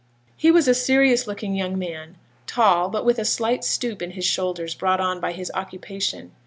He was a serious looking young man, tall, but with a slight stoop in his shoulders, brought on by his occupation.